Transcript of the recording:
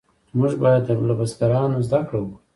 موږ باید له بزرګانو زده کړه وکړو.